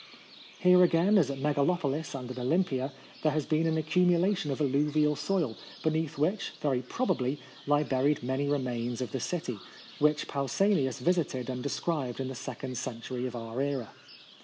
Here again, as at Megalopolis and at Olympia, there has been an accumulation of alluvial soil, be 1878.] A Ride across the Peloponnese. 565 neath which, very probably, lie buried many remains of the city, •which Pausanias visited and de scribed in the second century of our era.